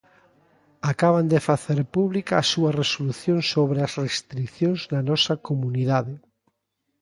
Acaban de facer pública a súa resolución sobre as restricións na nosa comunidade.